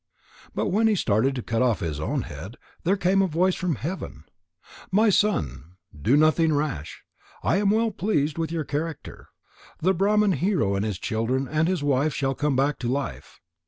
But when he started to cut off his own head, there came a voice from heaven: "My son, do nothing rash. I am well pleased with your character. The Brahman Hero and his children and his wife shall come back to life."